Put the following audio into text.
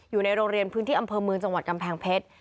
อยู่ในโรงเรียนพื้นที่อำเภอเมืองจังหวัดกำแพงเพชร